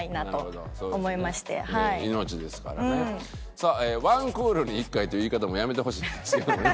さあ「１クールに１回」という言い方もやめてほしいんですけどもね。